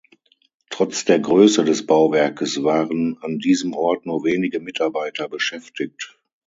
Trotz der Größe des Bauwerkes waren an diesem Ort nur wenige Mitarbeiter beschäftigt.